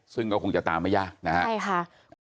ซึ่งก็คงจะตามไม่ยากนะครับ